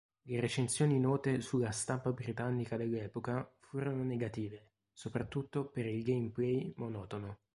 Le recensioni note sulla stampa britannica dell'epoca furono negative, soprattutto per il gameplay monotono.